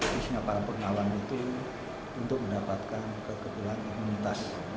tujuan para purnawan itu untuk mendapatkan kekebalan imunitas